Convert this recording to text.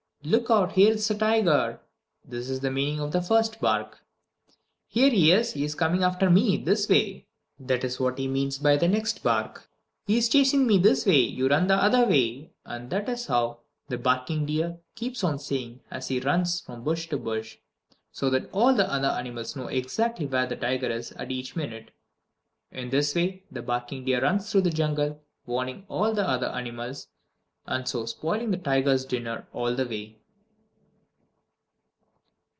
"Look out, here's a tiger!" That is the meaning of his first bark. "Here he is! He is coming after me this way!" That is what he means by the next bark. "He is chasing me this way! You run the other way!" And that is what the barking deer keeps on saying, as he runs from bush to bush, so that all the other animals know exactly where the tiger is at each minute. In this way the barking deer runs through the jungle, warning all the other animals, and so spoiling the tiger's dinner all the way.